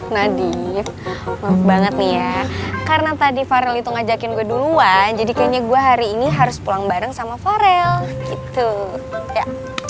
nadief maaf banget nih ya karena tadi farel itu ngajakin gue duluan jadi kayaknya gue hari ini harus pulang bareng sama farel gitu ya